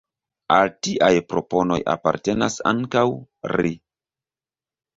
Al tiaj proponoj apartenas ankaŭ "ri".